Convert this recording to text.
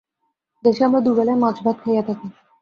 দেশে আমরা দুবেলাই মাছ-ভাত খাইয়া থাকি।